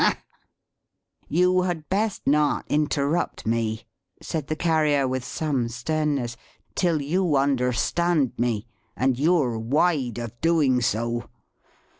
Hah!" "You had best not interrupt me," said the Carrier, with some sternness, "till you understand me; and you're wide of doing so.